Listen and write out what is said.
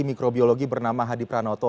mikrobiologi bernama hadi pranoto